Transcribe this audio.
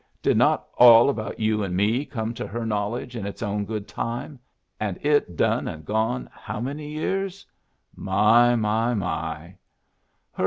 Did not all about you and me come to her knowledge in its own good time, and it done and gone how many years? My, my, my!"